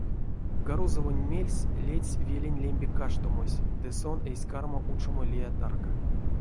Гарузовонь мельс ледсь велень лембе каштомось, ды сон эзь карма учомо лия тарка.